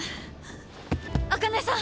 茜さん！